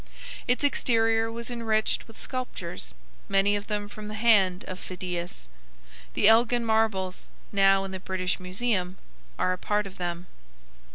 Its exterior was enriched with sculptures, many of them from the hand of Phidias. The Elgin marbles, now in the British Museum, are a part of them.